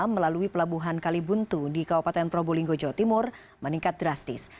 melalui pelabuhan kalibuntu di kabupaten probolinggo jawa timur meningkat drastis